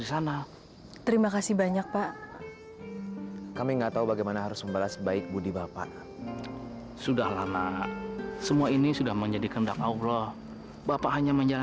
sampai jumpa di video selanjutnya